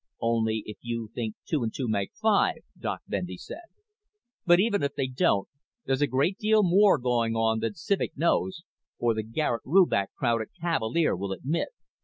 "Only if you think two and two make five," Doc Bendy said. "But even if they don't, there's a great deal more going on than Civek knows, or the Garet Rubach crowd at Cavalier will admit.